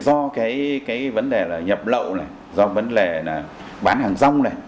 do cái vấn đề là nhập lậu này do vấn đề là bán hàng rong này